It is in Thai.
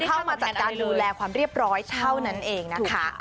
เข้ามาจัดการดูแลความเรียบร้อยเท่านั้นเองนะคะ